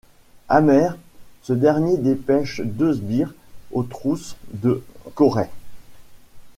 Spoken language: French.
Amer, ce dernier dépêche deux sbires aux trousses de Corey.